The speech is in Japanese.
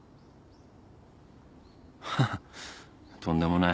ハハとんでもない。